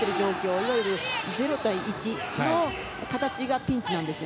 いわゆるゼロ対１の形がピンチなんです。